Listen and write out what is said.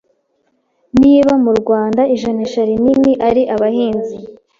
niba murwanda ijanisha rinini ari abahinzi